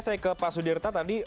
saya ke pak sudirta tadi